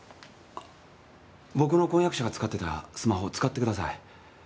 僕の婚約者が使ってたスマホ使ってください。